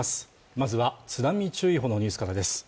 まずは津波注意報のニュースからです